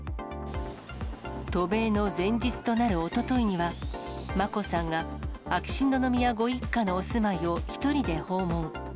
渡米の前日となるおとといには、眞子さんが秋篠宮ご一家のお住まいを１人で訪問。